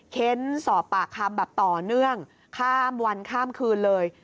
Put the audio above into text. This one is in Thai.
เค้นสอบปากคำแบบต่อเนื่องข้ามวันข้ามคืนเลย